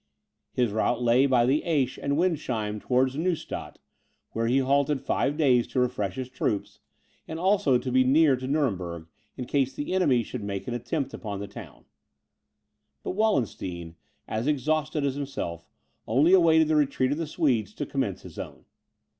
His route lay by the Aisch and Windsheim towards Neustadt, where he halted five days to refresh his troops, and also to be near to Nuremberg, in case the enemy should make an attempt upon the town. But Wallenstein, as exhausted as himself, had only awaited the retreat of the Swedes to commence his own.